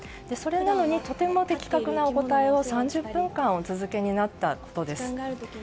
それなのに、とても的確なお答えを３０分間お続けになったところです。